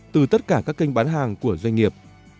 từ tất cả các kênh bán hàng của doanh nghiệp